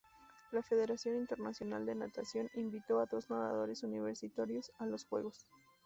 La Federación Internacional de Natación invitó a dos nadadores universitarios a los juegos.